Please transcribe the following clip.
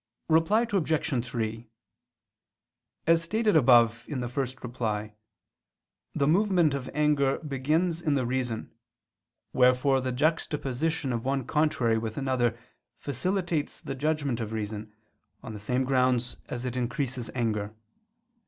Reply Obj. 3: As stated above (ad 1), the movement of anger begins in the reason, wherefore the juxtaposition of one contrary with another facilitates the judgment of reason, on the same grounds as it increases anger.